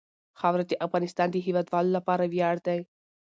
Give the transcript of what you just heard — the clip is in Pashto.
خاوره د افغانستان د هیوادوالو لپاره ویاړ دی.